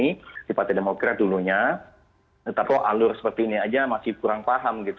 seperti partai demokrat dulunya tetap alur seperti ini saja masih kurang paham